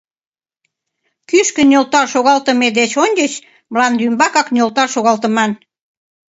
— Кӱшкӧ нӧлтал шогалтыме деч ончыч мландӱмбакак нӧлтал шогалтыман.